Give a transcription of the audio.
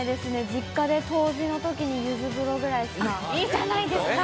実家で冬至のときにゆず風呂ぐらいいじゃないですか。